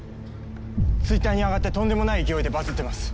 ツイッターに上がってとんでもない勢いでバズってます。